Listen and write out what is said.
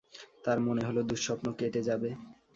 তাঁর মনে হলো, দুঃস্বপ্ন কেটে যাবে।